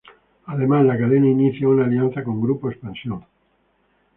Además, la cadena inicia una alianza con Grupo Expansión.